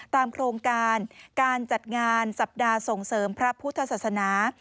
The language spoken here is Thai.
โครงการการจัดงานสัปดาห์ส่งเสริมพระพุทธศาสนา